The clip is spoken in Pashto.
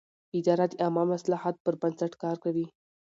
اداره د عامه مصلحت پر بنسټ کار کوي.